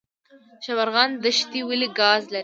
شبرغان دښتې ولې ګاز لري؟